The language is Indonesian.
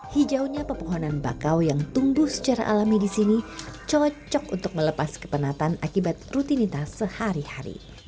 hijaunya pepohonan bakau yang tumbuh secara alami di sini cocok untuk melepas kepenatan akibat rutinitas sehari hari